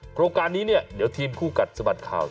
โครงการนี้เนี่ยเดี๋ยวทีมคู่กัดสะบัดข่าว